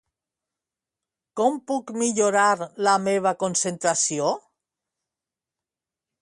Com puc millorar la meva concentració?